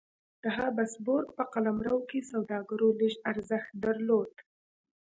د هابسبورګ په قلمرو کې سوداګرو لږ ارزښت درلود.